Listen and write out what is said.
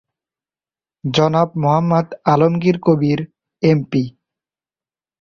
জনাব মোহাম্মদ আলমগীর কবির এমপি।